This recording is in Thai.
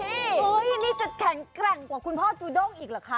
นี่จะแข็งแกร่งกว่าคุณพ่อจูด้งอีกเหรอคะ